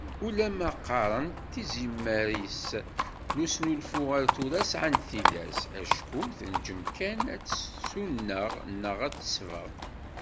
Ulamma qqaren-d tizemmar-is n usnulfu ar tura sɛant tilas, acku tenǧem kan ad tsuneɣ neɣ ad tesbeɣ.